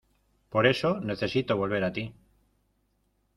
por eso necesito volver a ti